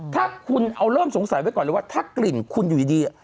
ถ้าคุณเอาเริ่มสงสัยไว้ก่อนเลยว่าถ้ากลิ่นคุณอยู่ดี